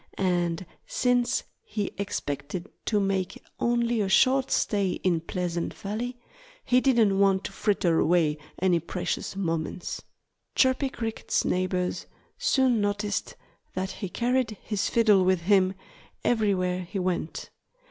And since he expected to make only a short stay in Pleasant Valley he didn't want to fritter away any precious moments. Chirpy Cricket's neighbors soon noticed that he carried his fiddle with him everywhere he went.